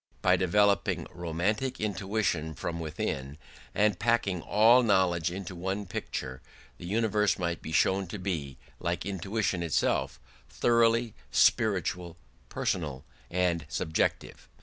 By developing romantic intuition from within and packing all knowledge into one picture, the universe might be shown to be, like intuition itself, thoroughly spiritual, personal, and subjective.